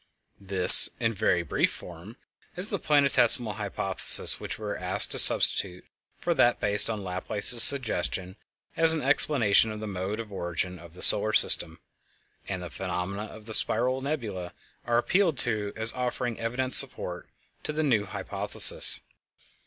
This, in very brief form, is the Planetesimal Hypothesis which we are asked to substitute for that based on Laplace's suggestion as an explanation of the mode of origin of the solar system; and the phenomena of the spiral nebulæ are appealed to as offering evident support to the new hypothesis.